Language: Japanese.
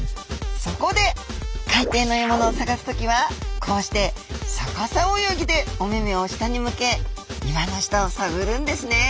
そこで海底の獲物を探す時はこうして逆さ泳ぎでお目々を下に向け岩の下を探るんですねえ。